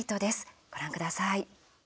ご覧ください。